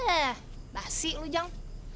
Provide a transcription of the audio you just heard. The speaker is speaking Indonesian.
eh basi lu ujang